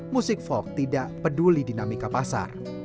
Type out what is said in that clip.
musik folk tidak peduli dinamika pasar